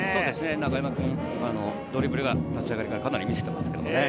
中山君、ドリブルが立ち上がりから見せてますけどね。